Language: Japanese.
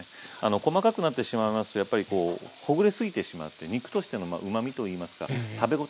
細かくなってしまいますとやっぱりこうほぐれすぎてしまって肉としてのうまみといいますか食べ応えがなくなります。